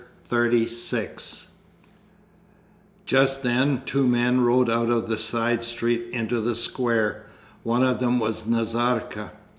Chapter XXXVI Just then two men rode out of the side street into the square. One of them was Nazarka.